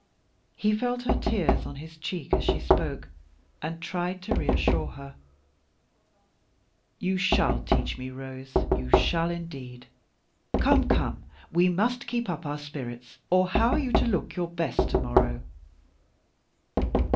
He felt her tears on his cheek as she spoke, and tried to reassure her. "You shall teach me, Rose you shall, indeed. Come, come, we must keep up our spirits, or how are you to look your best to morrow?"